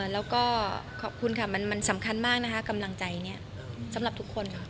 แล้วก็ขอบคุณค่ะมันสำคัญมากนะคะกำลังใจนี้สำหรับทุกคนค่ะ